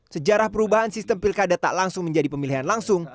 sejarah perubahan sistem pilkada tak langsung menjadi pemilihan langsung